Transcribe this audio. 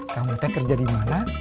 kamu teh kerja dimana